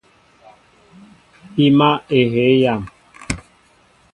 Pima ehey yam.